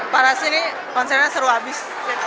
paras ini konsernya seru abis